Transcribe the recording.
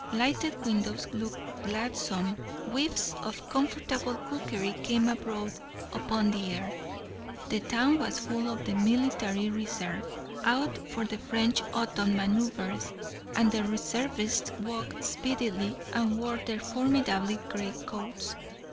Lighted windows looked gladsome, whiffs of comfortable cookery came abroad upon the air. The town was full of the military reserve, out for the French Autumn Manœuvres, and the reservists walked speedily and wore their formidable great coats.